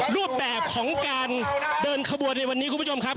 รูปแบบของการเดินขบวนในวันนี้คุณผู้ชมครับ